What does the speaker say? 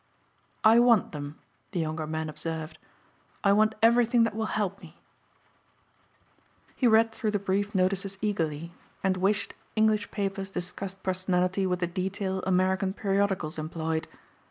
"I want them," the younger man observed, "I want everything that will help me." He read through the brief notices eagerly and wished English papers discussed personalities with the detail American periodicals employed.